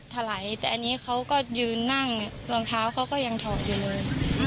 ถลายแต่อันนี้เขาก็ยืนนั่งเนี่ยรองเท้าเขาก็ยังถอดอยู่เลย